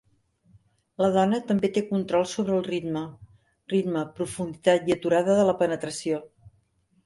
La dona també té control sobre el ritme, ritme, profunditat i durada de la penetració.